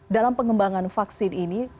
dalam pengembangan vaksin ini